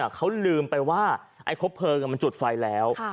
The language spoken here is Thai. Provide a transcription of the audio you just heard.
เขาลืมไปว่าไอ้ครบเพลิงมันจุดไฟแล้ว